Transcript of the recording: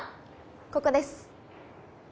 ここです